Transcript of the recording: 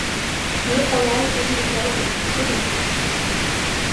Иҟалазеи, анаџьалбеит, иԥсыда?